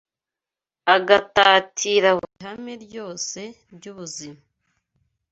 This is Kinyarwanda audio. agatatira buri hame ryose ry’ubuzima.